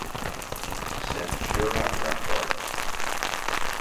Centaur Records.